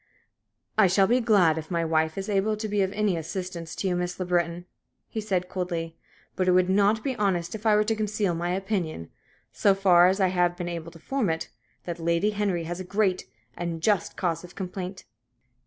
"I shall be glad if my wife is able to be of any assistance to you, Miss Le Breton," he said, coldly; "but it would not be honest if I were to conceal my opinion so far as I have been able to form it that Lady Henry has great and just cause of complaint."